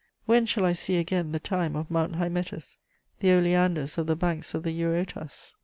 When shall I see again the thyme of Mount Hymettus, the oleanders of the banks of the Eurotas?